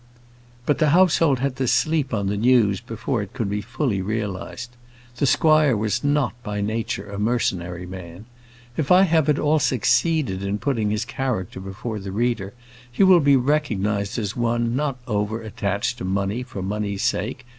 But the household had to sleep on the news before it could be fully realised. The squire was not by nature a mercenary man. If I have at all succeeded in putting his character before the reader, he will be recognised as one not over attached to money for money's sake.